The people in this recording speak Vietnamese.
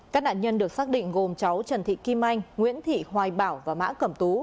các nạn nhân được xác định gồm cháu trần thị kim anh nguyễn thị hoài bảo và mã cẩm tú